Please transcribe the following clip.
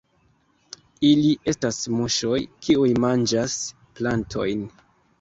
Ili estas muŝoj, kiuj manĝas plantojn.